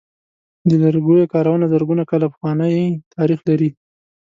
د لرګیو کارونه زرګونه کاله پخوانۍ تاریخ لري.